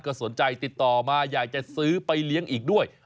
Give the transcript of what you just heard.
ก็สนใจติดต่อมาอยากจะซื้อไปเลี้ยงอีกด้วย